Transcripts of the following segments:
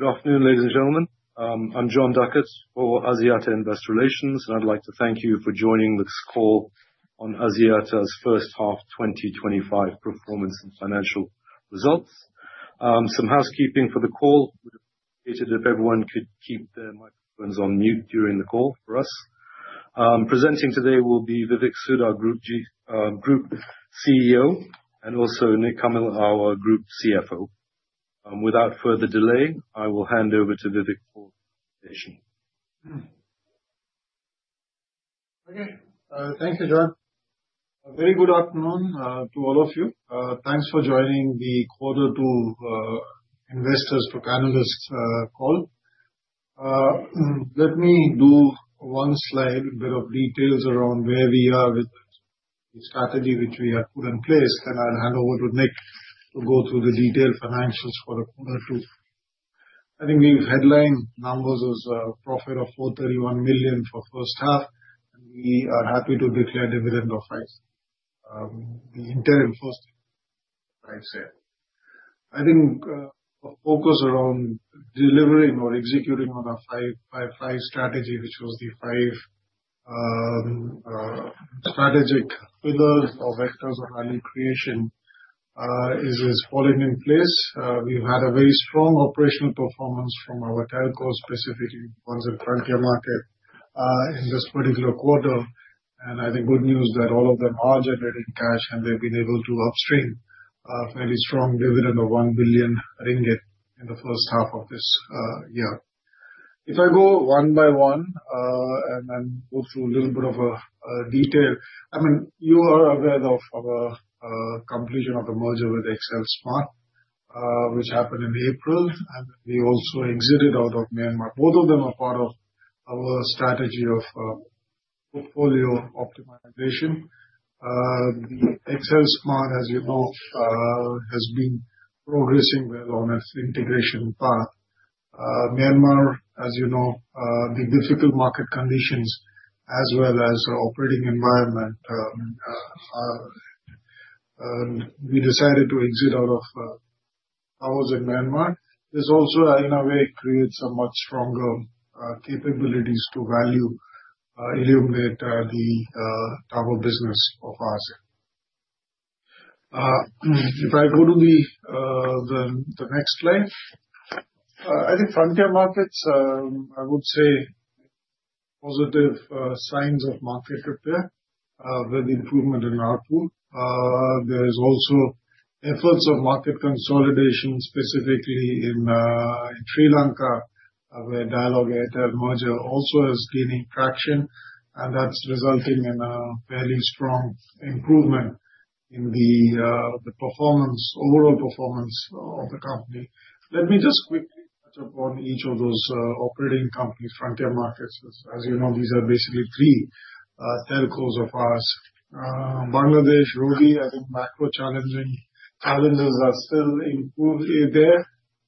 Good afternoon, ladies and gentlemen. I'm Jon Duckett for Axiata Investor Relations, and I'd like to thank you for joining this call on Axiata's first half 2025 performance and financial results. Some housekeeping for the call: we'd appreciate it if everyone could keep their microphones on mute during the call for us. Presenting today will be Vivek Sood, our Group CEO, and also Nik Kamil, our Group CFO. Without further delay, I will hand over to Vivek for the presentation. Okay, thank you, Jon. A very good afternoon to all of you. Thanks for joining the quarter two investors' analyst call. Let me do one slide with a bit of details around where we are with the strategy which we have put in place, then I'll hand over to Nik to go through the detailed financials for the quarter two. I think we've headline numbers as a profit of RM 431 million for the first half, and we are happy to declare dividend offerings. The intent for the second half is to drive sales. I think the focus around delivering or executing on our five strategies, which was the five strategic pillars or vectors of value creation, is falling in place. We've had a very strong operational performance from our telcos, specifically ones in the franchise market, in this particular quarter. I think good news that all of them are generating cash, and they've been able to upstream a fairly strong dividend of LKR 1 billion in the first half of this year. If I go one by one and then go through a little bit of detail, I mean, you are aware of our completion of the merger with XL-Smartfren, which happened in April, and we also exited out of Myanmar. Both of them are part of our strategy of portfolio optimization. the XL-Smartfren, as you know, has been progressing well on its integration path. Myanmar, as you know, the difficult market conditions, as well as the operating environment, we decided to exit out of towers in Myanmar. This also, in a way, creates a much stronger capability to value illuminate the tower business of Axiata. If I go to the next slide, I think frontier markets, I would say, positive signs of market repair with improvement in ARPU. There's also efforts of market consolidation, specifically in Sri Lanka, where Dialog-Airtel merger also is gaining traction, and that's resulting in a fairly strong improvement in the performance, overall performance of the company. Let me just quickly touch upon each of those operating companies' frontier markets. As you know, these are basically three telcos of ours: Bangladesh, Indonesia. I think macro challenges are still improving there.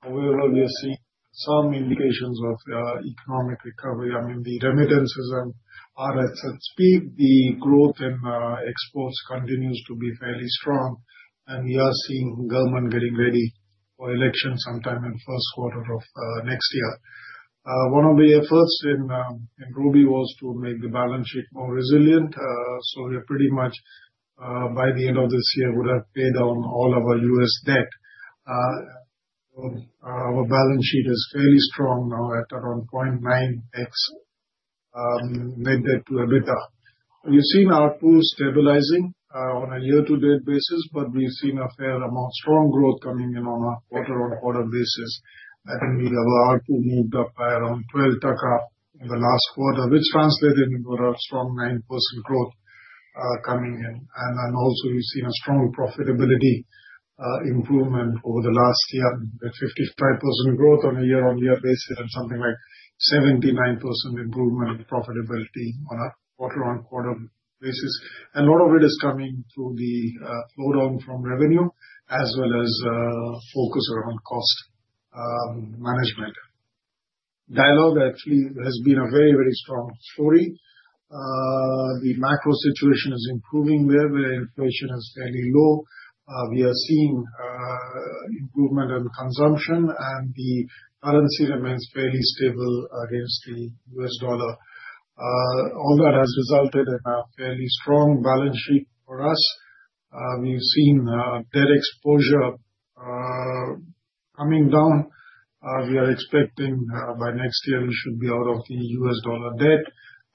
Overall, you're seeing some indications of economic recovery. I mean, the remittances are at some speed. The growth in exports continues to be fairly strong, and we are seeing government getting ready for elections sometime in the first quarter of next year. One of the efforts in Indonesia was to make the balance sheet more resilient. We're pretty much, by the end of this year, would have paid down all of our U.S. debt. Our balance sheet is fairly strong now at around 0.9x net debt to EBITDA. You've seen ARPU stabilizing on a year-to-date basis, but we've seen a fair amount of strong growth coming in on a quarter-on-quarter basis. I think we have our ARPU moved up by around 12% in the last quarter, which translated into a strong 9% growth coming in. And then also we've seen a strong profitability improvement over the last year, with 55% growth on a year-on-year basis and something like 79% improvement in profitability on a quarter-on-quarter basis. And a lot of it is coming through the slowdown from revenue, as well as focus around cost management. Dialog actually has been a very, very strong story. The macro situation is improving there, where inflation is fairly low. We are seeing improvement in consumption, and the currency remains fairly stable against the U.S. dollar. All that has resulted in a fairly strong balance sheet for us. We've seen debt exposure coming down. We are expecting by next year, we should be out of the US dollar debt,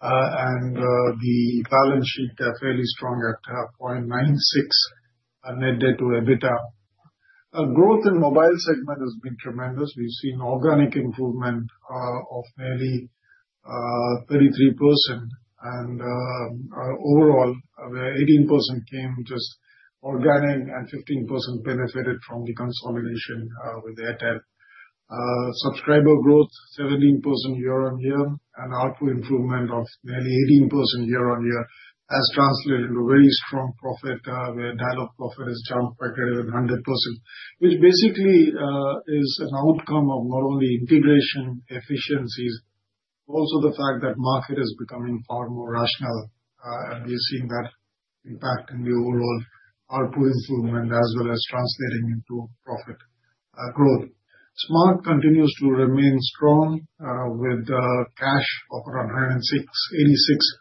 and the balance sheet is fairly strong at 0.96 net debt to EBITDA. Growth in the mobile segment has been tremendous. We've seen organic improvement of nearly 33%, and overall, 18% came just organic, and 15% benefited from the consolidation with Airtel. Subscriber growth, 17% year-on-year, and ARPU improvement of nearly 18% year-on-year has translated into a very strong profit, where Dialog profit has jumped by greater than 100%, which basically is an outcome of not only integration efficiencies, but also the fact that the market is becoming far more rational. And we're seeing that impact in the overall ARPU improvement, as well as translating into profit growth. Smart continues to remain strong with cash of around 186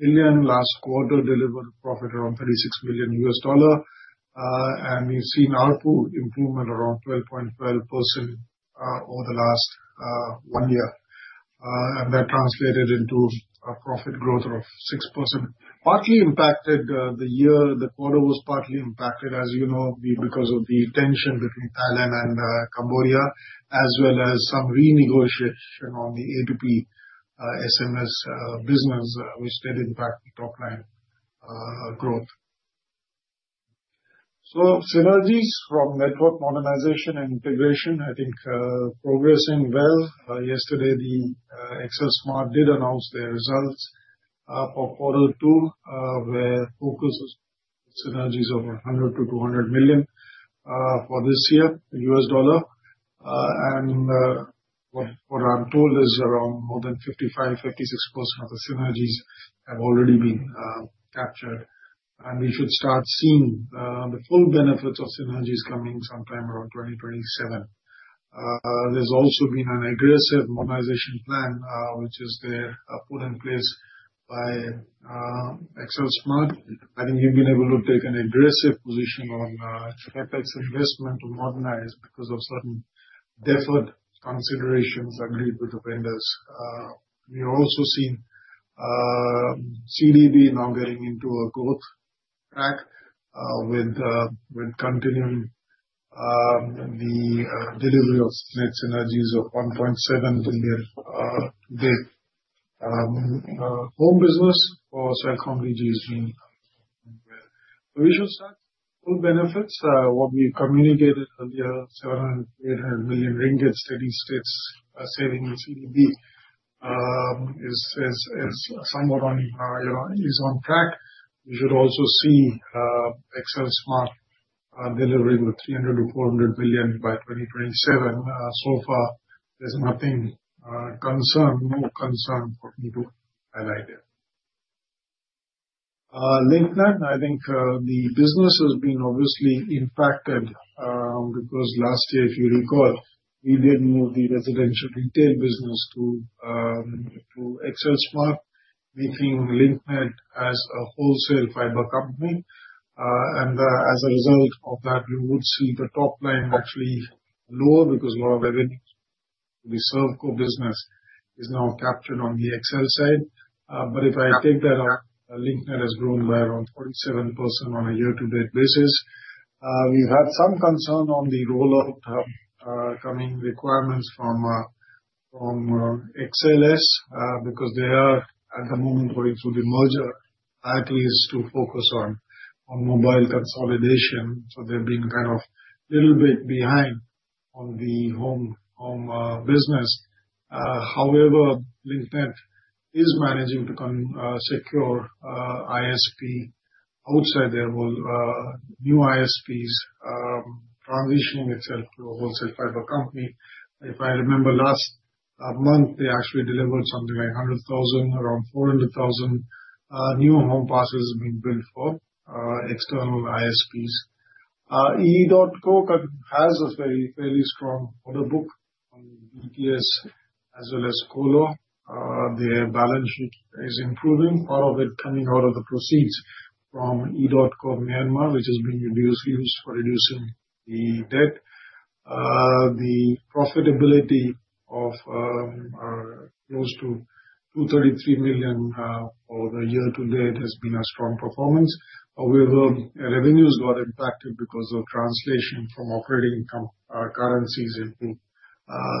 billion. Last quarter, delivered profit around $36 million, and we've seen ARPU improvement around 12.12% over the last one year, and that translated into a profit growth of 6%. Partly impacted the year, the quarter was partly impacted, as you know, because of the tension between Thailand and Cambodia, as well as some renegotiation on the A2P SMS business, which did impact the top-line growth. So synergies from network modernization and integration, I think, are progressing well. yesterday, XLSMART did announce their results for quarter two, where focus is on synergies of $100 million-$200 million for this year. And what I'm told is around more than 55%-56% of the synergies have already been captured, and we should start seeing the full benefits of synergies coming sometime around 2027. There's also been an aggressive modernization plan, which is put in place by XLSMART. I think we've been able to take an aggressive position on CapEx investment to modernize because of certain deferred considerations agreed with the vendors. We are also seeing CDB now getting into a growth track with continuing the delivery of net synergies of RM 1.7 billion today. Home business for CelcomDigi is being continued. We should start with full benefits. What we communicated earlier, RM 700 million-RM 800 million Ringgit steady-state savings in CDB is somewhat on track. We should also see XLSMART delivering RM 300 million-RM 400 million by 2027. So far, there's nothing concerning, no concern for me to highlight here. Link Net, I think the business has been obviously impacted because last year, if you recall, we did move the residential retail business to XLSMART, making Link Net as a wholesale fiber company. And as a result of that, we would see the top line actually lower because a lot of revenues to the ServCo business is now captured on the XL side. But if I take that out, Link Net has grown by around 47% on a year-to-date basis. We've had some concern on the rollout coming requirements from XL's because they are at the moment going through the merger, at least to focus on mobile consolidation. So they've been kind of a little bit behind on the home business. However, Link Net is managing to secure ISP outside their new ISPs, transitioning itself to a wholesale fiber company. If I remember, last month, they actually delivered something like 100,000, around 400,000 new home passes being built for external ISPs. EDOTCO has a fairly strong order book on USP as well as colocation. Their balance sheet is improving, part of it coming out of the proceeds from EDOTCO Myanmar, which has been used for reducing the debt. The profitability of close to RM 233 million for the year-to-date has been a strong performance. However, revenues got impacted because of translation from operating currencies into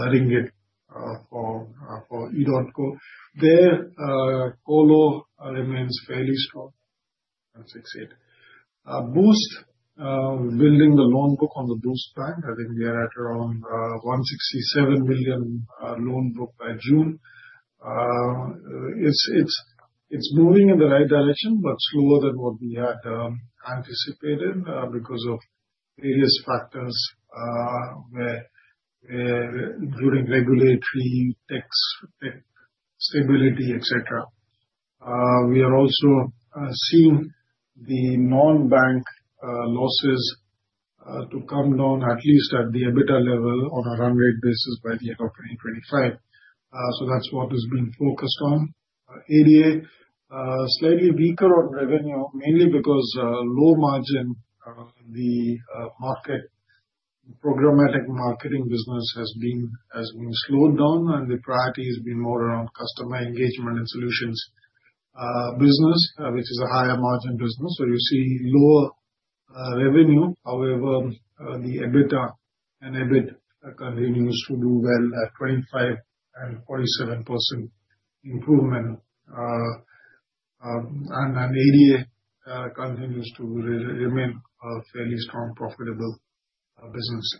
Ringgit for EDOTCO. There, colocation remains fairly strong. Boost, building the loan book on the Boost plan, I think we are at around RM 167 million loan book by June. It's moving in the right direction, but slower than what we had anticipated because of various factors, including regulatory tech stability, etc. We are also seeing the non-bank losses to come down, at least at the EBITDA level, on a run rate basis by the end of 2025. So that's what has been focused on. ADA, slightly weaker on revenue, mainly because low margin, the programmatic marketing business has been slowed down, and the priority has been more around customer engagement and solutions business, which is a higher margin business. So you see lower revenue. However, the EBITDA and EBIT continues to do well at 25% and 47% improvement. And ADA continues to remain a fairly strong profitable business.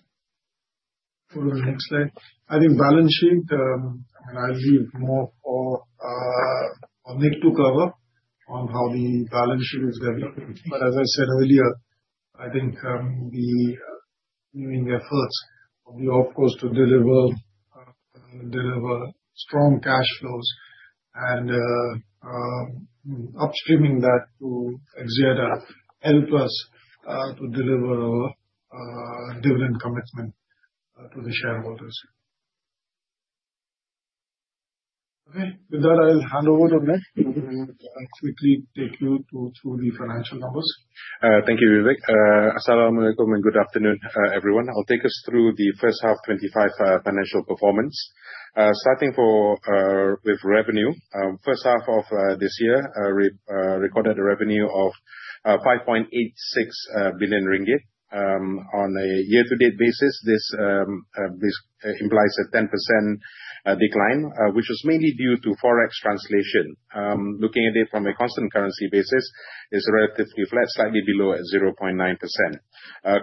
Go to the next slide. I think balance sheet, I'll leave more for Nik to cover on how the balance sheet is going to be. But as I said earlier, I think the continuing efforts of the OpCos to deliver strong cash flows and upstreaming that to Axiata helped us to deliver dividend commitment to the shareholders. Okay, with that, I'll hand over to Nik and quickly take you through the financial numbers. Thank you, Vivek. Assalamualaikum and good afternoon, everyone. I'll take us through the first half 2025 financial performance. Starting with revenue, first half of this year, we recorded a revenue of RM 5.86 billion on a year-to-date basis. This implies a 10% decline, which was mainly due to Forex translation. Looking at it from a constant currency basis, it's relatively flat, slightly below at 0.9%.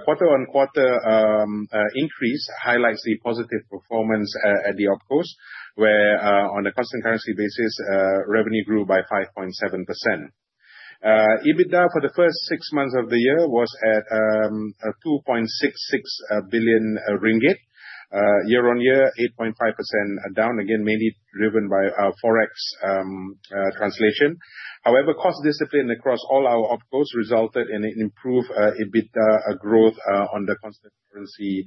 Quarter-on-quarter increase highlights the positive performance at the OpCos, where on a constant currency basis, revenue grew by 5.7%. EBITDA for the first six months of the year was at RM 2.66 billion, year-on-year, 8.5% down, again, mainly driven by Forex translation. However, cost discipline across all our OpCos resulted in an improved EBITDA growth on the constant currency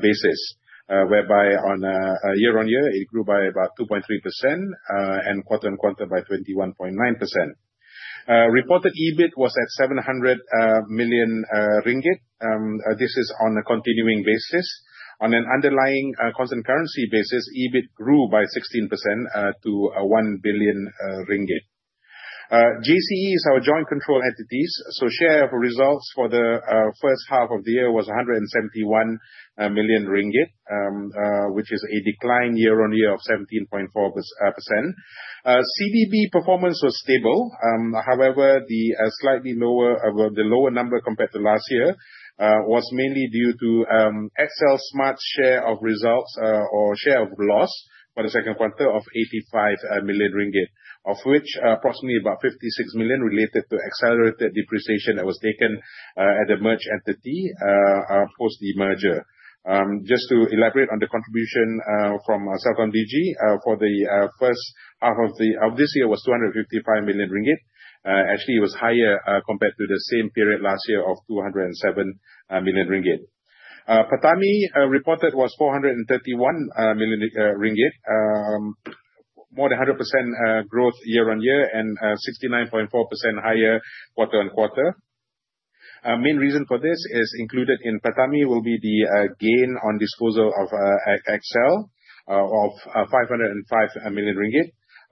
basis, whereby on a year-on-year, it grew by about 2.3% and quarter-on-quarter by 21.9%. Reported EBIT was at RM 700 million. This is on a continuing basis. On an underlying constant currency basis, EBIT grew by 16% to RM 1 billion. JCE is our joint control entities. So share of results for the first half of the year was RM 171 million, which is a decline year-on-year of 17.4%. CDB performance was stable. However, the slightly lower number compared to last year was mainly due to XLSMART's share of results or share of loss for the second quarter of RM 85 million, of which approximately RM 56 million related to accelerated depreciation that was taken at the merged entity post the merger. Just to elaborate on the contribution from CelcomDigi for the first half of this year was RM 255 million. Actually, it was higher compared to the same period last year of RM 207 million. PATAMI reported was RM 431 million, more than 100% growth year-on-year and 69.4% higher quarter-on-quarter. Main reason for this is included in PATAMI will be the gain on disposal of XL of RM 505 million,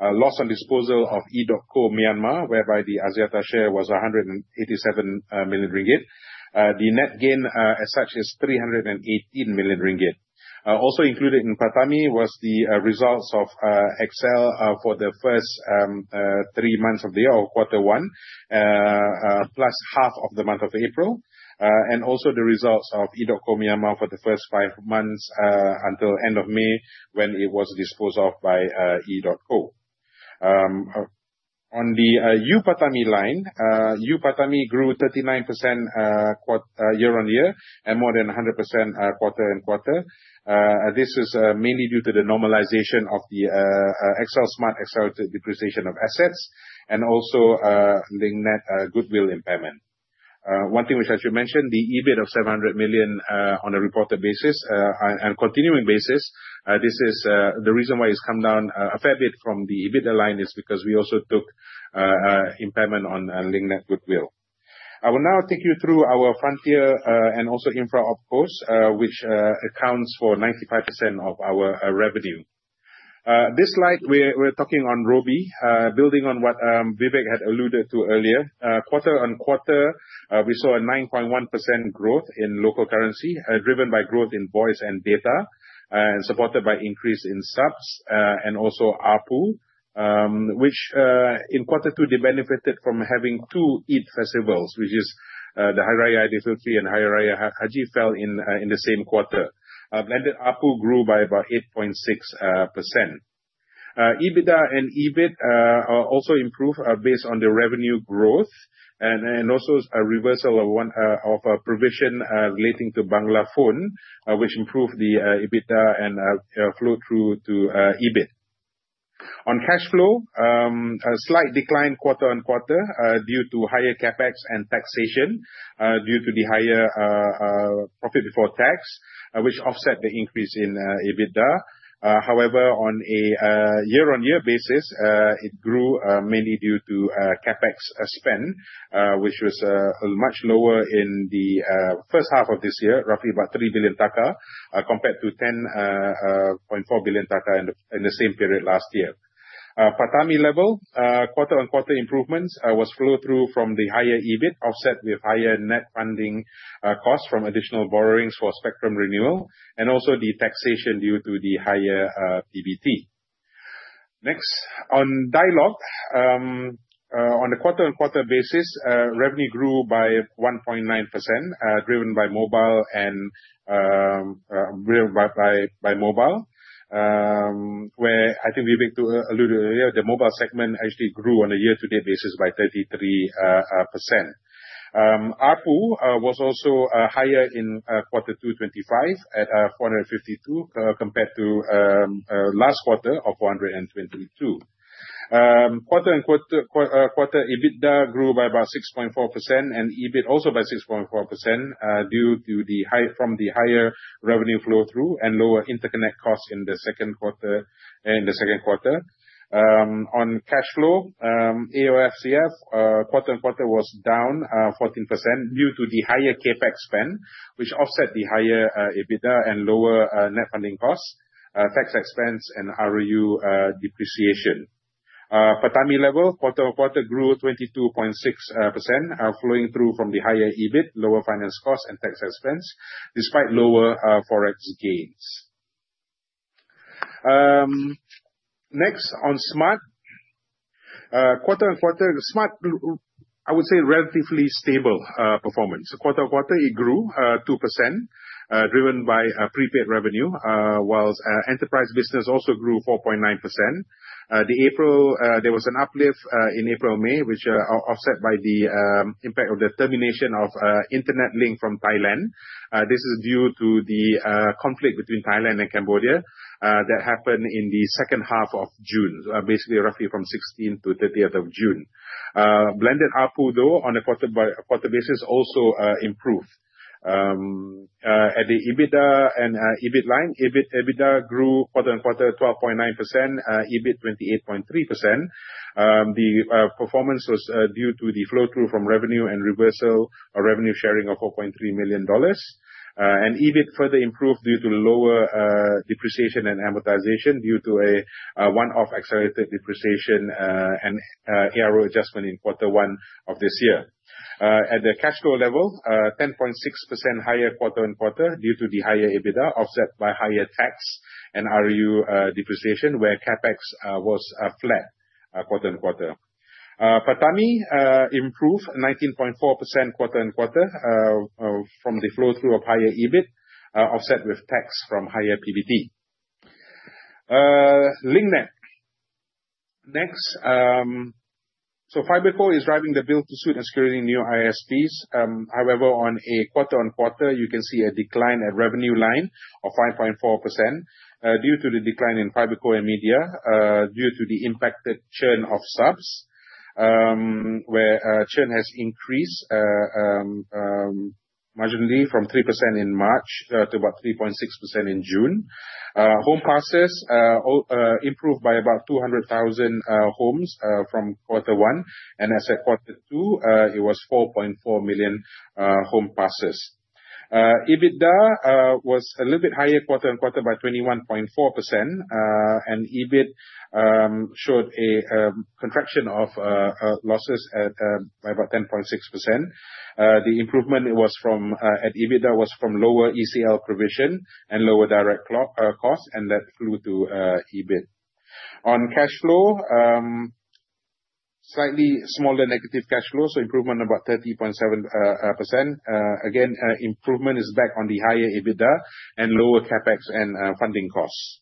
loss on disposal of EDOTCO Myanmar, whereby the Axiata share was RM 187 million. The net gain as such is RM 318 million. Also included in PATAMI was the results of XL for the first three months of the year or quarter one, plus half of the month of April, and also the results of EDOTCO Myanmar for the first five months until end of May when it was disposed of by EDOTCO. On the UPATAMI line, UPATAMI grew 39% year-on-year and more than 100% quarter-on-quarter. This is mainly due to the normalization of the XLSMART depreciation of assets and also Link Net goodwill impairment. One thing which I should mention, the EBIT of RM 700 million on a reported basis and continuing basis. This is the reason why it's come down a fair bit from the EBITDA line is because we also took impairment on Link Net goodwill. I will now take you through our frontier and also infra OpCos, which accounts for 95% of our revenue. This slide, we're talking on Robi, building on what Vivek had alluded to earlier. Quarter-on-quarter, we saw a 9.1% growth in local currency driven by growth in voice and data and supported by increase in subs and also ARPU, which in quarter two, they benefited from having two Eid festivals, which is the Hari Raya Aidilfitri and Hari Raya Haji, fell in the same quarter. Blended ARPU grew by about 8.6%. EBITDA and EBIT also improved based on the revenue growth and also a reversal of provision relating to Bangla Phone, which improved the EBITDA and flow through to EBIT. On cash flow, a slight decline quarter-on-quarter due to higher CapEx and taxation due to the higher profit before tax, which offset the increase in EBITDA. However, on a year-on-year basis, it grew mainly due to CapEx spend, which was much lower in the first half of this year, roughly about BDT 3 billion compared to BDT 10.4 billion in the same period last year. PATAMI level, quarter-on-quarter improvements was flow through from the higher EBIT, offset with higher net funding costs from additional borrowings for spectrum renewal, and also the taxation due to the higher PBT. Next, on Dialog, on a quarter-on-quarter basis, revenue grew by 1.9% driven by mobile and by mobile, where I think Vivek alluded earlier, the mobile segment actually grew on a year-to-date basis by 33%. ARPU was also higher quarter two 2025 at 452 compared to last quarter of 422. Quarter-on-quarter, EBITDA grew by about 6.4% and EBIT also by 6.4% due to the high from the higher revenue flow through and lower interconnect costs in the second quarter. On cash flow, AOFCF quarter-on-quarter was down 14% due to the higher CapEx spend, which offset the higher EBITDA and lower net funding costs, tax expense, and ROU depreciation. PATAMI level, quarter-on-quarter grew 22.6%, flowing through from the higher EBIT, lower finance costs, and tax expense, despite lower Forex gains. Next, on Smart, quarter-on-quarter, Smart, I would say, relatively stable performance. Quarter-on-quarter, it grew 2%, driven by prepaid revenue, while enterprise business also grew 4.9%. There was an uplift in April-May, which is offset by the impact of the termination of internet link from Thailand. This is due to the conflict between Thailand and Cambodia that happened in the second half of June, basically roughly from 16th to 30th of June. Blended ARPU, though, on a quarter-by-quarter basis also improved. At the EBITDA and EBIT line, EBITDA grew quarter-on-quarter 12.9%, EBIT 28.3%. The performance was due to the flow through from revenue and reversal revenue sharing of $4.3 million. EBIT further improved due to lower depreciation and amortization due to a one-off accelerated depreciation and ARO adjustment in quarter one of this year. At the cash flow level, 10.6% higher quarter-on-quarter due to the higher EBITDA, offset by higher tax and ROU depreciation, where CapEx was flat quarter-on-quarter. PATAMI improved 19.4% quarter-on-quarter from the flow through of higher EBIT, offset with tax from higher PBT. Link Net. Next, so FibreCo is driving the build to suit and securing new ISPs. However, on a quarter-on-quarter, you can see a decline at revenue line of 5.4% due to the decline in FibreCo and media due to the impacted churn of subs, where churn has increased marginally from 3% in March to about 3.6% in June. Home passes improved by about 200,000 homes from quarter one. As at quarter two, it was 4.4 million home passes. EBITDA was a little bit higher quarter-on-quarter by 21.4%, and EBIT showed a contraction of losses by about 10.6%. The improvement was from at EBITDA was from lower ECL provision and lower direct costs, and that flowed to EBIT. On cash flow, slightly smaller negative cash flow, so improvement about 30.7%. Again, improvement is back on the higher EBITDA and lower CapEx and funding costs.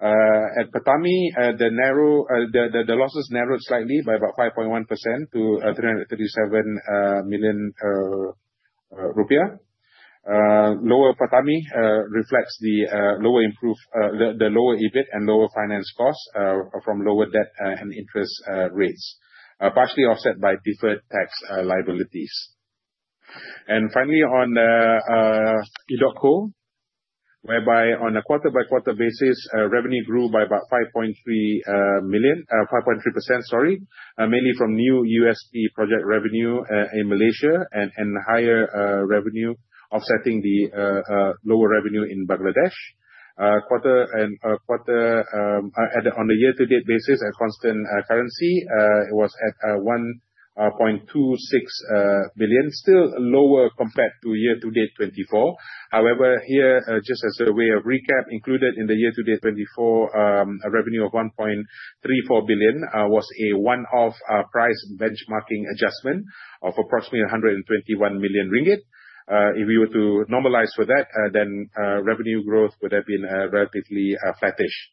At PATAMI, the losses narrowed slightly by about 5.1% to RM 337 million. Lower PATAMI reflects the lower EBIT and lower finance costs from lower debt and interest rates, partially offset by deferred tax liabilities. Finally, on EDOTCO, whereby on a quarter-by-quarter basis, revenue grew by about 5.3%, sorry, mainly from new USP project revenue in Malaysia and higher revenue offsetting the lower revenue in Bangladesh. On a year-to-date basis, at constant currency, it was at RM 1.26 billion, still lower compared to year-to-date 2024. However, here, just as a way of recap, included in the year-to-date 2024, a revenue of RM 1.34 billion was a one-off price benchmarking adjustment of approximately RM 121 million. If we were to normalize for that, then revenue growth would have been relatively flattish.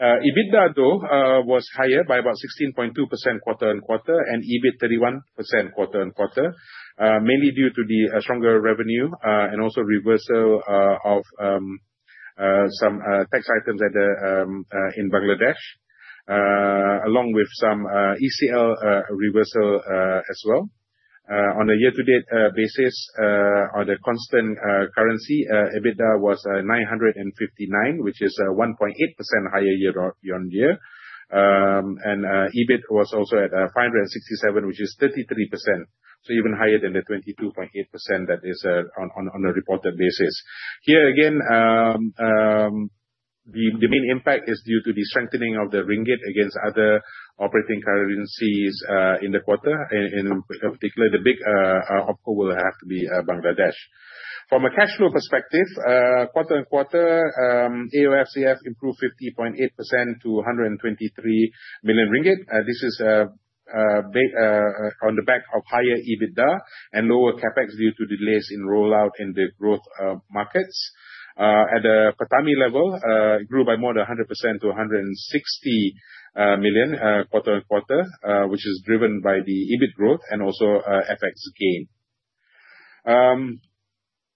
EBITDA, though, was higher by about 16.2% quarter-on-quarter and EBIT 31% quarter-on-quarter, mainly due to the stronger revenue and also reversal of some tax items in Bangladesh, along with some ECL reversal as well. On a year-to-date basis, on a constant currency, EBITDA was RM 959, which is 1.8% higher year-on-year, and EBIT was also at RM 567, which is 33%, so even higher than the 22.8% that is on a reported basis. Here, again, the main impact is due to the strengthening of the Ringgit against other operating currencies in the quarter. In particular, the biggest will have to be Bangladesh. From a cash flow perspective, quarter-on-quarter, AOFCF improved 50.8% to RM 123 million. This is on the back of higher EBITDA and lower CapEx due to delays in rollout in the growth markets. At the PATAMI level, it grew by more than 100% to RM 160 million quarter-on-quarter, which is driven by the EBIT growth and also FX gain.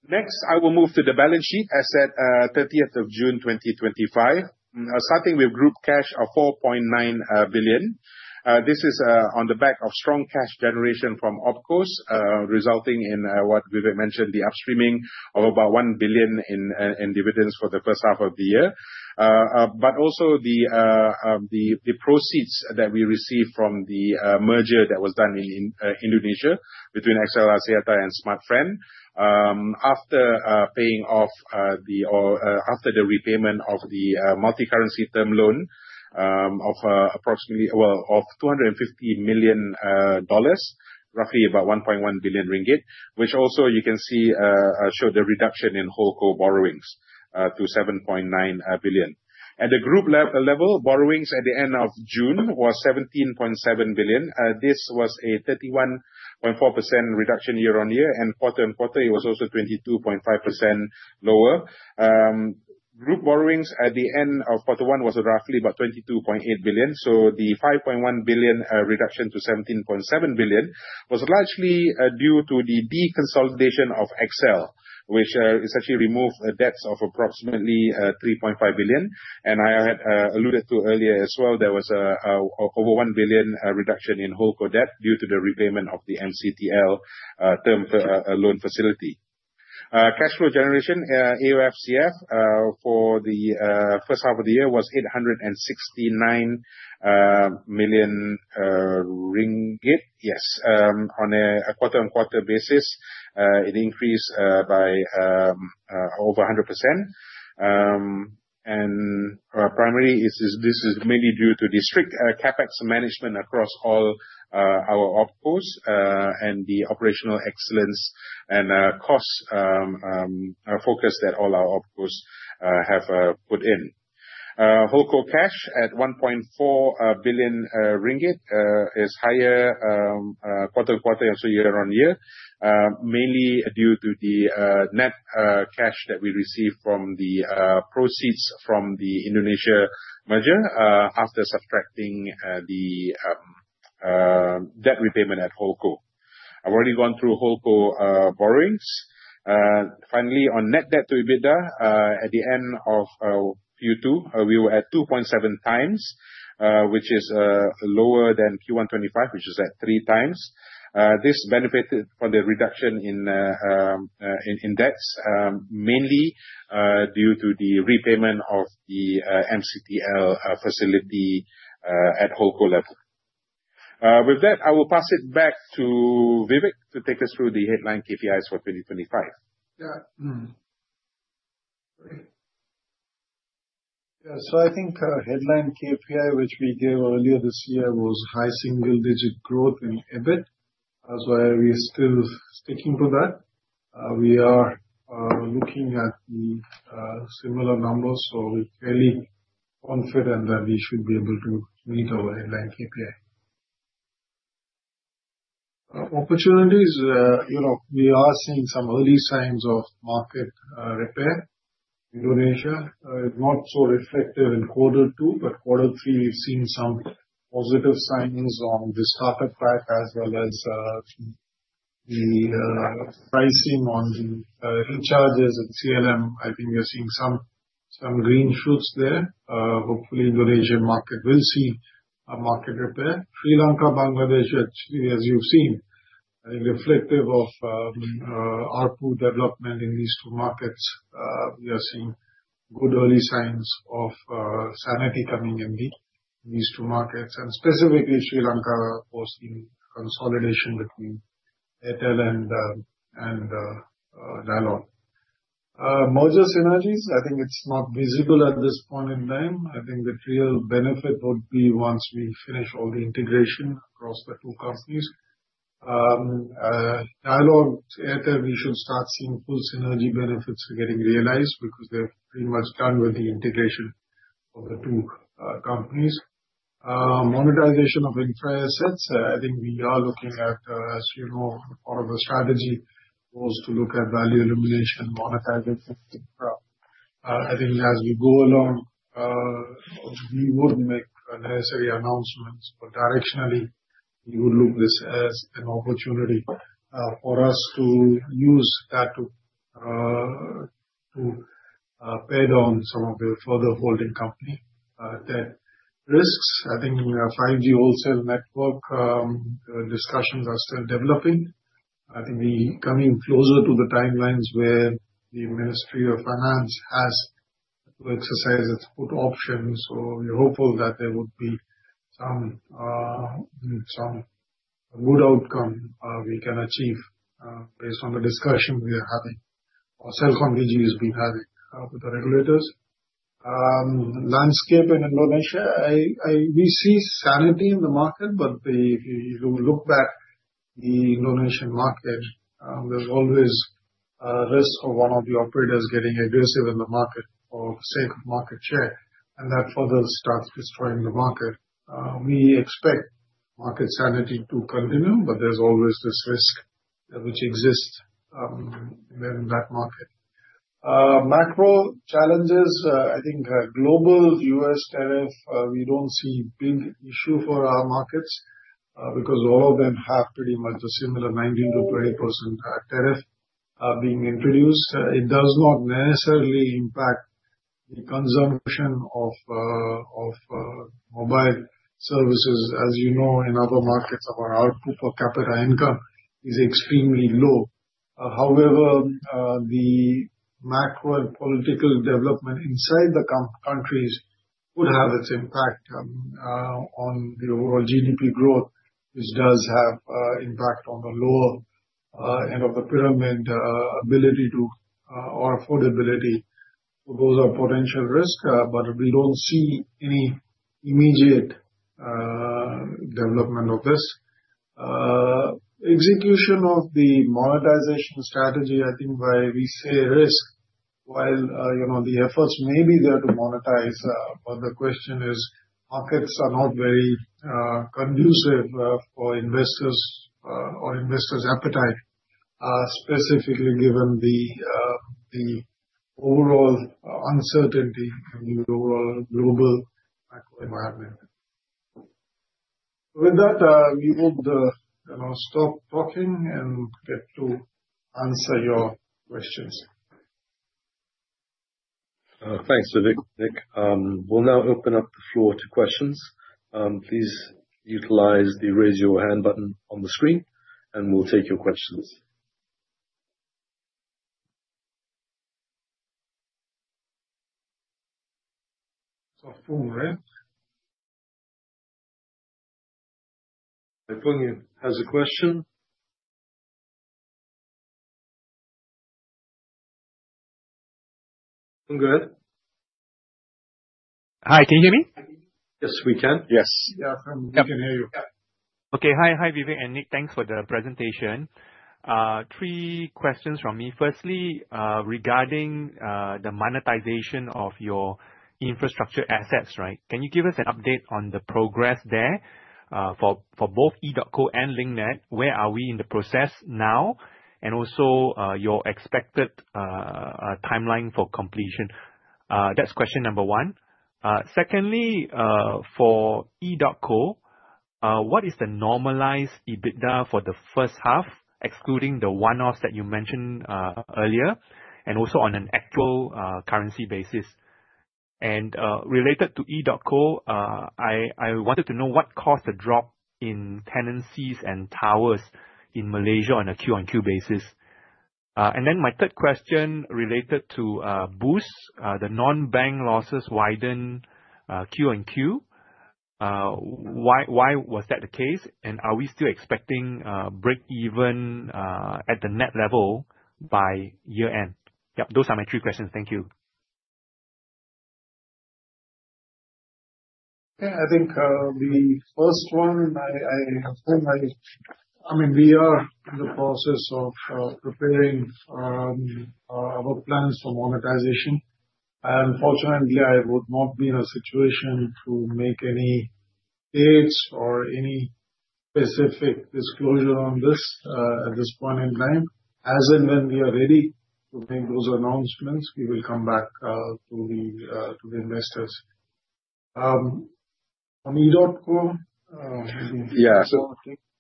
Next, I will move to the balance sheet as at 30th of June 2025, starting with group cash of RM 4.9 billion. This is on the back of strong cash generation from OpCos, resulting in what Vivek mentioned, the upstreaming of about 1 billion in dividends for the first half of the year, but also the proceeds that we received from the merger that was done in Indonesia between XL Axiata and Smartfren after the repayment of the multicurrency term loan of approximately $250 million, roughly about RM 1.1 billion, which also you can see showed the reduction in OpCos borrowings to RM 7.9 billion. At the group level, borrowings at the end of June were RM 17.7 billion. This was a 31.4% reduction year-on-year, and quarter-on-quarter, it was also 22.5% lower. Group borrowings at the end of quarter one was roughly about RM 22.8 billion. The 5.1 billion reduction to 17.7 billion was largely due to the deconsolidation of XL, which essentially removed debts of approximately 3.5 billion. I had alluded to earlier as well. There was over 1 billion reduction in HoldCo debt due to the repayment of the MCTL term loan facility. Cash flow generation, AOFCF for the first half of the year was RM 869 million. Yes, on a quarter-on-quarter basis, it increased by over 100%. Primarily, this is mainly due to the strict CapEx management across all our OpCos and the operational excellence and cost focus that all our OpCos have put in. HoldCo cash at RM 1.4 billion is higher quarter-on-quarter and also year-on-year, mainly due to the net cash that we received from the proceeds from the Indonesia merger after subtracting the debt repayment at HoldCo. I've already gone through HoldCo borrowings. Finally, on net debt to EBITDA, at the end of Q2, we were at 2.7x, which is lower than Q1 25, which is at 3x. This benefited from the reduction in debts, mainly due to the repayment of the MCTL facility at HoldCo level. With that, I will pass it back to Vivek to take us through the headline KPIs for 2025. Yeah. Yeah. So I think headline KPI, which we gave earlier this year, was high single-digit growth in EBIT. That's why we're still sticking to that. We are looking at the similar numbers, so we're fairly confident that we should be able to meet our headline KPI. Opportunities, we are seeing some early signs of market repair. Indonesia is not so reflective in quarter two, but quarter three, we've seen some positive signs on the startup path as well as the pricing on the charges and CLM. I think we're seeing some green shoots there. Hopefully, the Malaysian market will see a market repair. Sri Lanka, Bangladesh, actually, as you've seen, reflective of ARPU development in these two markets, we are seeing good early signs of sanity coming in these two markets. Specifically, Sri Lanka was in consolidation between Airtel and Dialog. Merger synergies, I think it's not visible at this point in time. I think the real benefit would be once we finish all the integration across the two companies. Dialog, we should start seeing full synergy benefits getting realized because they're pretty much done with the integration of the two companies. Monetization of infra assets, I think we are looking at, as you know, part of the strategy was to look at value illumination, monetization, etc. I think as we go along, we wouldn't make necessary announcements, but directionally, we would look at this as an opportunity for us to use that to pay down some of the further holding company debt risks. I think 5G wholesale network discussions are still developing. I think we're coming closer to the timelines where the Ministry of Finance has to exercise its put option. So we're hopeful that there would be some good outcome we can achieve based on the discussion we are having or CelcomDigi has been having with the regulators. Landscape in Indonesia, we see sanity in the market, but if you look back, the Indonesian market, there's always risk of one of the operators getting aggressive in the market for the sake of market share, and that further starts destroying the market. We expect market sanity to continue, but there's always this risk which exists in that market. Macro challenges, I think global U.S. tariff, we don't see big issue for our markets because all of them have pretty much a similar 19%-20% tariff being introduced. It does not necessarily impact the consumption of mobile services. As you know, in other markets, our ARPU for capital income is extremely low. However, the macro and political development inside the countries would have its impact on the overall GDP growth, which does have an impact on the lower end of the pyramid ability to or affordability. So those are potential risks, but we don't see any immediate development of this. Execution of the monetization strategy, I think, is why we say risk, while the efforts may be there to monetize, but the question is markets are not very conducive for investors or investors' appetite, specifically given the overall uncertainty in the overall global macro environment. With that, we will stop talking and get to answer your questions. Thanks, Vivek. We'll now open up the floor to questions. Please utilize the raise your hand button on the screen, and we'll take your questions. So, I have Foong here. Foong has a question. Go ahead. Hi, can you hear me? Yes, we can. Yes. Yeah, I can hear you. Ok.ay. Hi, Vivek and Nik. Thanks for the presentation. Three questions from me. Firstly, regarding the monetization of your infrastructure assets, right? Can you give us an update on the progress there for both EDOTCO and Link Net? Where are we in the process now? And also your expected timeline for completion? That's question number one. Secondly, for EDOTCO, what is the normalized EBITDA for the first half, excluding the one-offs that you mentioned earlier, and also on an actual currency basis? And related to EDOTCO, I wanted to know what caused the drop in tenancies and towers in Malaysia on a QoQ basis? And then my third question related to Boost's, the non-bank losses widen QoQ. Why was that the case? And are we still expecting breakeven at the net level by year-end? Yep. Those are my three questions. Thank you. Yeah, I think the first one, I mean, we are in the process of preparing our plans for monetization. Unfortunately, I would not be in a situation to make any dates or any specific disclosure on this at this point in time. As in when we are ready to make those announcements, we will come back to the investors. On EDOTCO, maybe? Yeah. So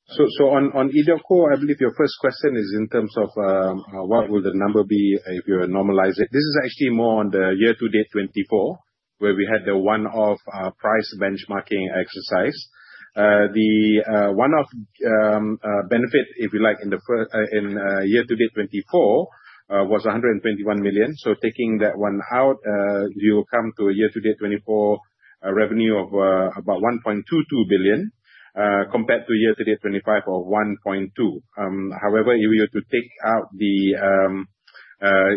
on EDOTCO, I believe your first question is in terms of what will the number be if you're normalizing? This is actually more on the year-to-date 2024, where we had the one-off price benchmarking exercise. The one-off benefit, if you like, in year-to-date 2024 was RM 121 million. So taking that one out, you'll come to a year-to-date 2024 revenue of about RM 1.22 billion compared to year-to-date 2025 of RM 1.2 billion. However, if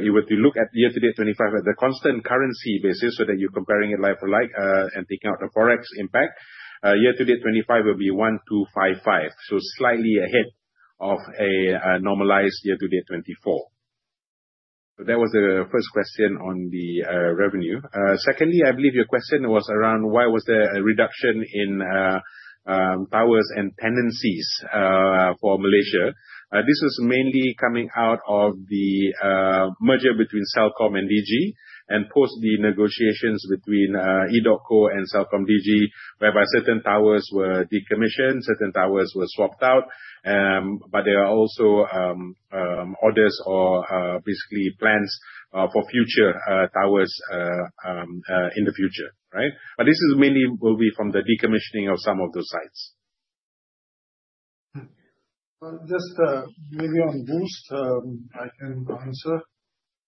you were to look at year-to-date 2025 at the constant currency basis so that you're comparing it like for like and taking out the forex impact, year-to-date 2025 will be RM 1.255 million, so slightly ahead of a normalized year-to-date 2024. So that was the first question on the revenue. Secondly, I believe your question was around why was there a reduction in towers and tenancies for Malaysia. This was mainly coming out of the merger between Celcom and Digi and post the negotiations between EDOTCO and CelcomDigi, whereby certain towers were decommissioned, certain towers were swapped out, but there are also orders or basically plans for future towers in the future, right? But this is mainly will be from the decommissioning of some of those sites. Just maybe on Boost, I can answer.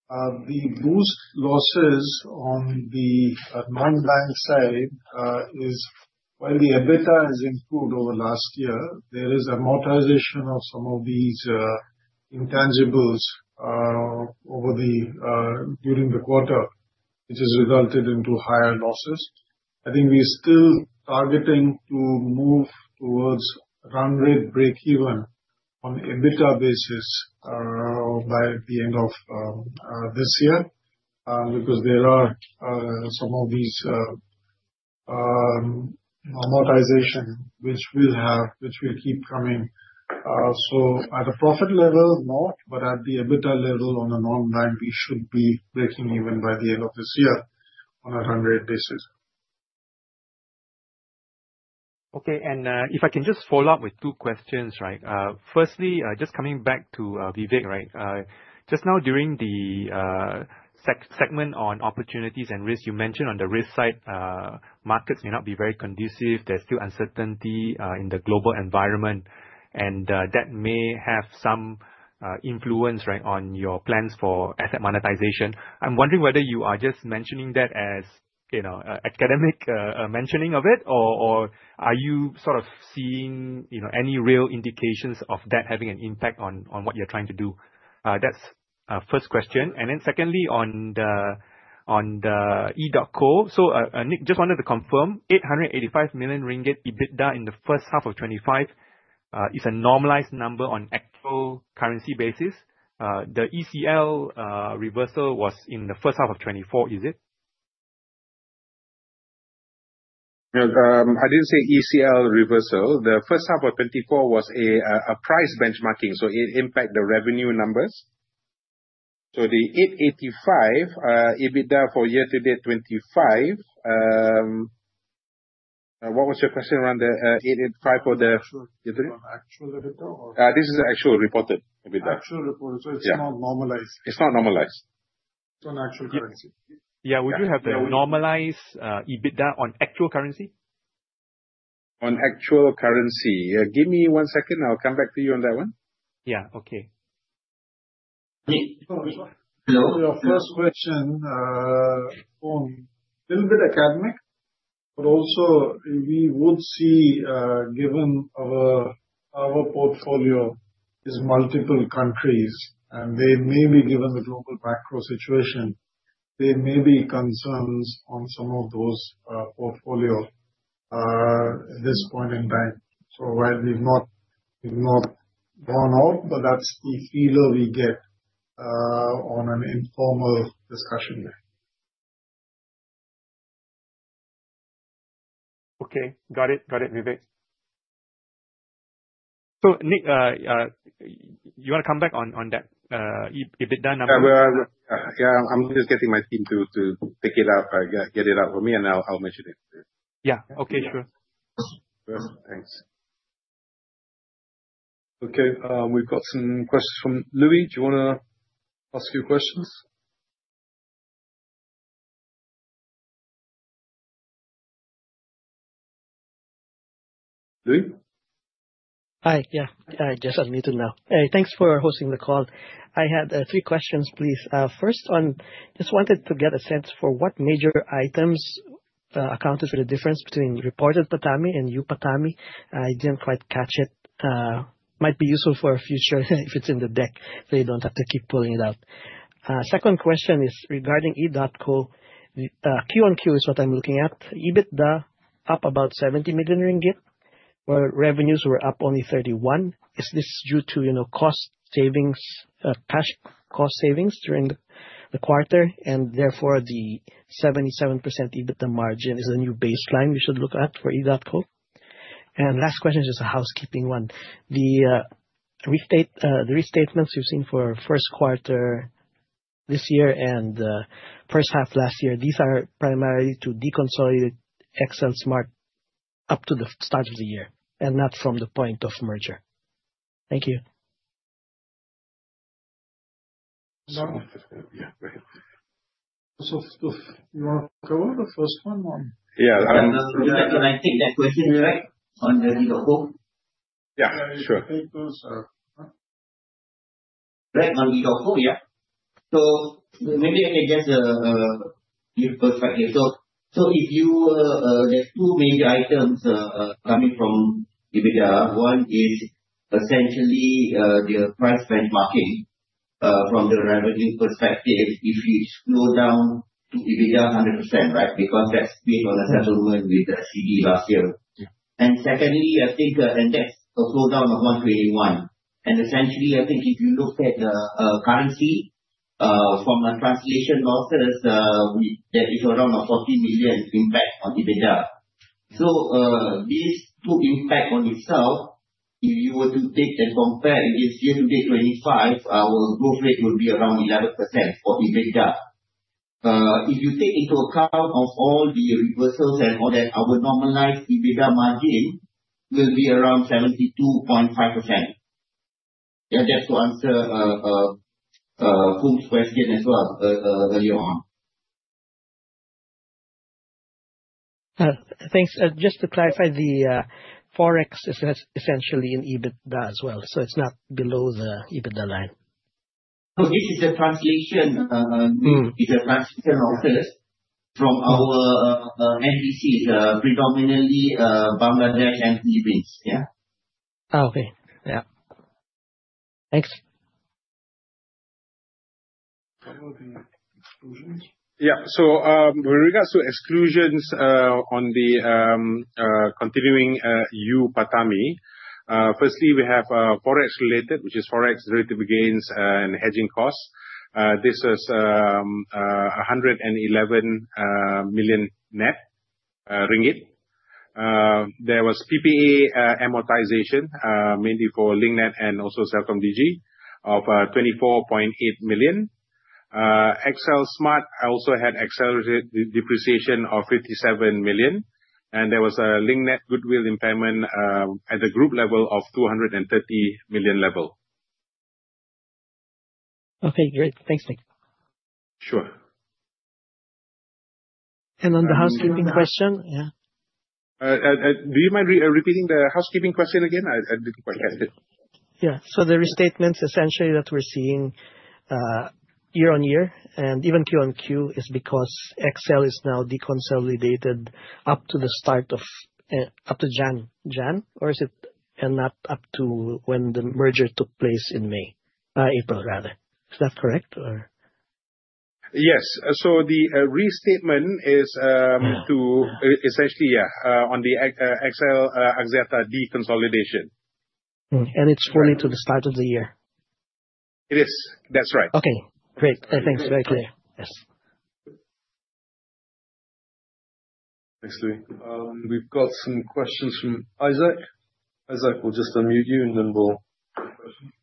The Boost losses on the non-bank side is while the EBITDA has improved over last year, there is a monetization of some of these intangibles over the during the quarter, which has resulted into higher losses. I think we're still targeting to move towards run rate breakeven on EBITDA basis by the end of this year because there are some of these monetization which we'll have, which will keep coming. So at a profit level, not, but at the EBITDA level on a non-bank, we should be breaking even by the end of this year on a run rate basis. Okay. And if I can just follow up with two questions, right? Firstly, just coming back to Vivek, right? Just now during the segment on opportunities and risks, you mentioned on the risk side, markets may not be very conducive. There's still uncertainty in the global environment, and that may have some influence, right, on your plans for asset monetization. I'm wondering whether you are just mentioning that as academic mentioning of it, or are you sort of seeing any real indications of that having an impact on what you're trying to do? That's first question. And then secondly, on the EDOTCO, so Nik just wanted to confirm, RM 885 million EBITDA in the first half of 2025 is a normalized number on actual currency basis. The ECL reversal was in the first half of 2024, is it? I didn't say ECL reversal. The first half of 2024 was a price benchmarking, so it impacted the revenue numbers. So the RM 885 million EBITDA for year-to-date 2025, what was your question around the RM 885 million for the year-to-date? On actual EBITDA or? This is actual reported EBITDA. Actual reported. So it's not normalized. It's not normalized. It's on actual currency. Yeah. Would you have the normalized EBITDA on actual currency? On actual currency. Yeah. Give me one second. I'll come back to you on that one. Yeah. Okay. Your first question sounds a little bit academic, but also we would see given our portfolio is multiple countries, and they may be given the global macro situation, there may be concerns on some of those portfolios at this point in time. So while we've not gone out, but that's the feeler we get on an informal discussion there. Okay. Got it. Got it, Vivek. So Nik, you want to come back on that EBITDA number? Yeah. I'm just getting my team to pick it up, get it out for me, and I'll mention it. Yeah. Okay. Sure. Thanks. Okay. We've got some questions from Louis. Do you want to ask your questions? Louis? Hi. Yeah. I just unmuted now. Hey, thanks for hosting the call. I had three questions, please. First, just wanted to get a sense for what major items accounted for the difference between reported PATAMI and UPATAMI. I didn't quite catch it. Might be useful for future if it's in the deck so you don't have to keep pulling it out. Second question is regarding EDOTCO. QoQ is what I'm looking at. EBITDA up about RM 70 million, where revenues were up only RM 31 million. Is this due to cash cost savings during the quarter? And therefore, the 77% EBITDA margin is a new baseline we should look at for EDOTCO. Last question is just a housekeeping one. The restatements you've seen for first quarter this year and first half last year, these are primarily to deconsolidate XLSMART up to the start of the year and not from the point of merger. Thank you. Yeah. Go ahead. You want to cover the first one? Yeah. And I think that question is right on the EDOTCO. Yeah. Sure. Right on EDOTCO, yeah. So maybe I can get the good question. So if you there's two major items coming from EBITDA. One is essentially the price benchmarking from the revenue perspective if you slow down to EBITDA 100%, right? Because that's based on a settlement with the CDB last year. And secondly, I think, and that's a slowdown of 121. And essentially, I think if you look at the currency from a translation losses, that is around a 40 million impact on EBITDA. So these two impact on itself, if you were to take and compare against year-to-date 2025, our growth rate would be around 11% for EBITDA. If you take into account of all the reversals and all that, our normalized EBITDA margin will be around 72.5%. Yeah. That's to answer Foong's question as well earlier on. Thanks. Just to clarify, the forex is essentially in EBITDA as well. So it's not below the EBITDA line. So this is a translation losses from our NDCs, predominantly Bangladesh and Philippines. Yeah. Okay. Yeah. Thanks. Yeah. So with regards to exclusions on the continuing UPATAMI, firstly, we have forex-related, which is forex related gains and hedging costs. This is RM 111 million net. There was PPA amortization, mainly for Link Net and also CelcomDigi of RM 24.8 million. XLSMART also had XL depreciation of RM 57 million. And there was a Link Net goodwill impairment at the group level of RM 230 million level. Okay. Great. Thanks, Nik. Sure. And on the housekeeping question, yeah? Do you mind repeating the housekeeping question again? I didn't quite catch it. Yeah. So the restatements essentially that we're seeing year on year and even QoQ is because XL is now deconsolidated up to the start of up to Jan, or is it not up to when the merger took place in May, April rather? Is that correct or? Yes. So the restatement is to essentially, yeah, on the XL Axiata deconsolidation. And it's only to the start of the year. It is. That's right. Okay. Great. Thanks. Very clear. Yes. Thanks, Louis. We've got some questions from Isaac. Isaac, we'll just unmute you, and then we'll take a question.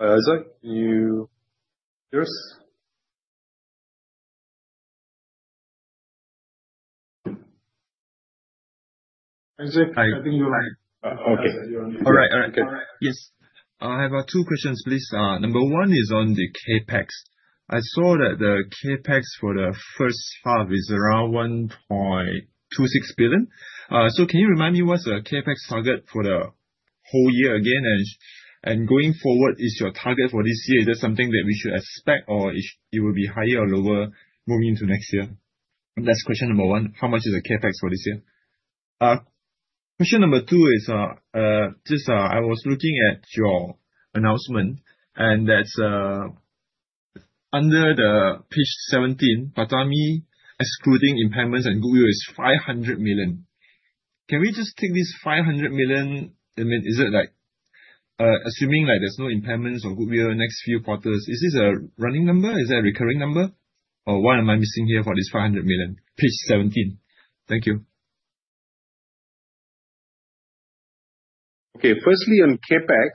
Hi, Isaac. Can you hear us? Isaac, I think you're live. Okay. All right. All right. Good. Yes. I have two questions, please. Number one is on the CapEx. I saw that the CapEx for the first half is around RM 1.26 billion. So can you remind me what's the CapEx target for the whole year again? And going forward, is your target for this year? Is that something that we should expect, or it will be higher or lower moving into next year? That's question number one. How much is the CapEx for this year? Question number two is just I was looking at your announcement, and that's on page 17, PATAMI excluding impairments and goodwill is RM 500 million. Can we just take this RM 500 million? I mean, is it like assuming there's no impairments or goodwill next few quarters? Is this a running number? Is that a recurring number? Or what am I missing here for this RM 500 million? Page 17. Thank you. Okay. Firstly, on CapEx,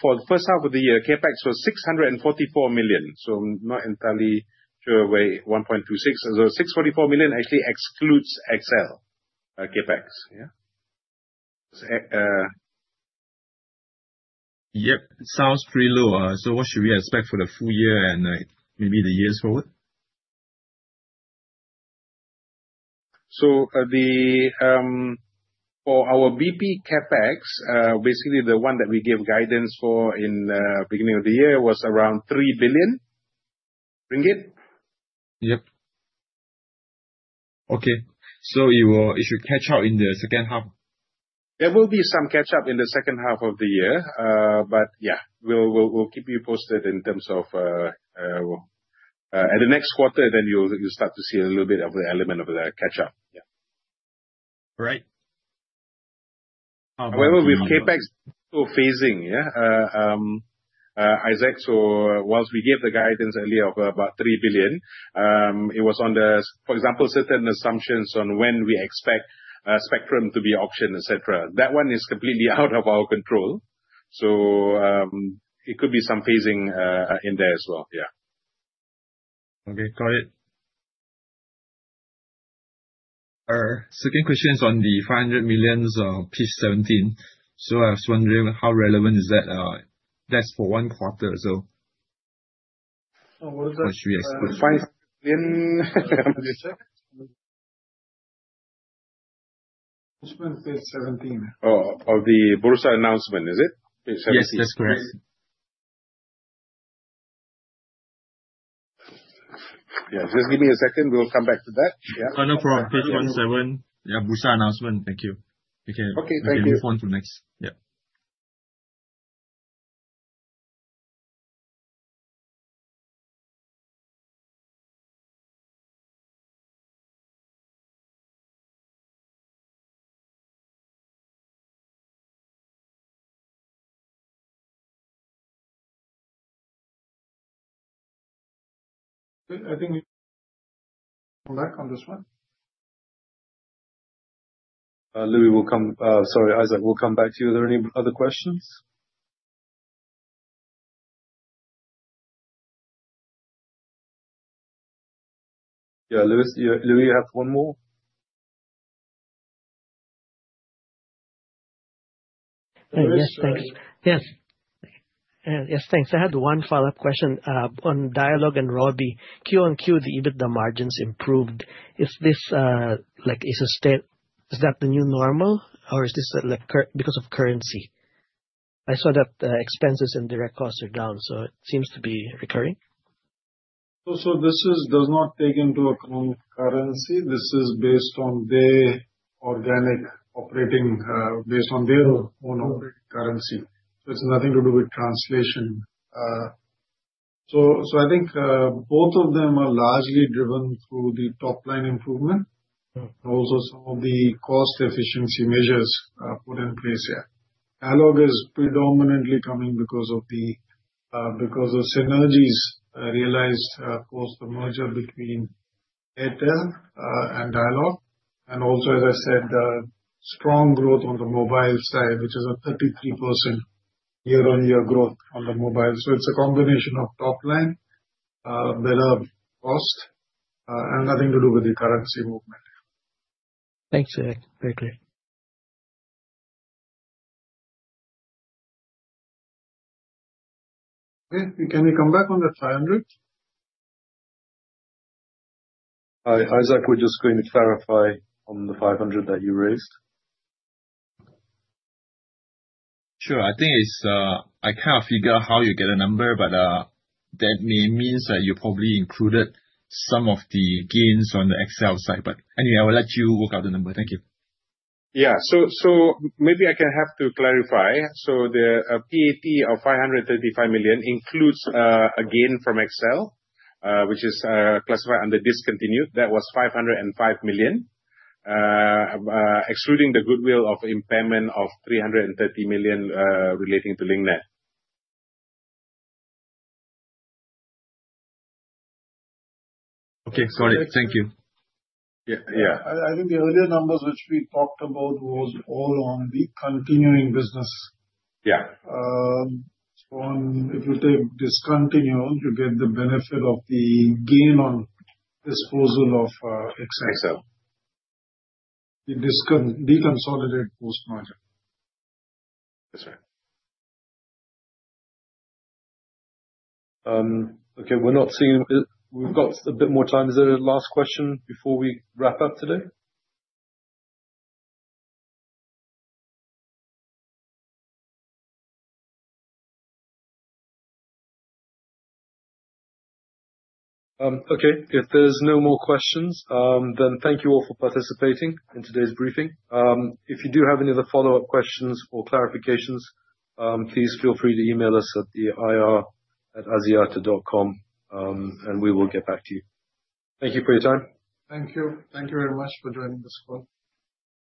for the first half of the year, CapEx was RM 644 million. So I'm not entirely sure why 1.26. So RM 644 million actually excludes XL CapEx. Yeah. Yep. Sounds pretty low. So what should we expect for the full year and maybe the years forward? So for our Group CapEx, basically the one that we gave guidance for in the beginning of the year was around RM 3 billion. Yep. Okay. So it should catch up in the second half. There will be some catch-up in the second half of the year, but yeah, we'll keep you posted in terms of at the next quarter, then you'll start to see a little bit of the element of the catch-up. Yeah. All right. However, with CapEx still phasing, yeah, Isaac, so while we gave the guidance earlier of about RM 3 billion, it was on the, for example, certain assumptions on when we expect Spectrum to be auctioned, etc. That one is completely out of our control. So it could be some phasing in there as well. Yeah. Okay. Got it. Second question is on the RM 500 million page 17. So I was wondering how relevant is that? That's for one quarter or so. What was that? What should we expect? RM 500 million? Page 17. Oh, of the Bursa announcement, is it? Page 17. Yes, that's correct. Yeah. Just give me a second. We'll come back to that. Yeah. Turn to page 17. Yeah. Bursa announcement. Thank you. Okay. Thank you. We'll move on to next. Yeah. I think we're back on this one. Louis, we'll come, sorry, Isaac, we'll come back to you. Are there any other questions? Yeah. Louis, you have one more? Yes. Thanks. Yes. Yes. Thanks. I had one follow-up question on Dialog and Robi. QoQ, the EBITDA margins improved. Is this like that the new normal, or is this because of currency? I saw that expenses and direct costs are down, so it seems to be recurring. So this does not take into account currency. This is based on their organic operating, based on their own currency. So it's nothing to do with translation. So I think both of them are largely driven through the top-line improvement, also some of the cost-efficiency measures put in place here. Dialog is predominantly coming because of the synergies realized post the merger between Airtel and Dialog. And also, as I said, strong growth on the mobile side, which is a 33% year-on-year growth on the mobile. So it's a combination of top-line, better cost, and nothing to do with the currency movement. Thanks, Vivek. Very clear. Okay. Can we come back on that 500? Hi, Isaac was just going to clarify on the 500 that you raised. Sure. I think I can't figure out how you get a number, but that means that you probably included some of the gains on the XL side. But anyway, I will let you work out the number. Thank you. Yeah. So maybe I can have to clarify. So the PAT of RM 535 million includes a gain from XL, which is classified under discontinued. That was RM 505 million, excluding the goodwill of impairment of RM 330 million relating to Link Net. Okay. Got it. Thank you. Yeah. I think the earlier numbers which we talked about was all on the continuing business. Yeah. So if you take discontinued, you get the benefit of the gain on disposal of XL. XL. You deconsolidate post-merger. That's right. Okay. We're not seeing we've got a bit more time. Is there a last question before we wrap up today? Okay. If there's no more questions, then thank you all for participating in today's briefing. If you do have any other follow-up questions or clarifications, please feel free to email us at ir@axiata.com, and we will get back to you. Thank you for your time. Thank you. Thank you very much for joining this call.